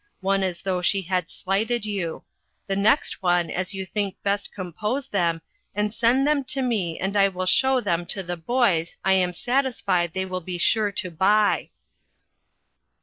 one as though she had Slighted you. the Next one as you think best Compose them and Send them to me and I will shew them to the Boys I am satisfied they will be sure to by."